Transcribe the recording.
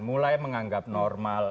mulai menganggap normal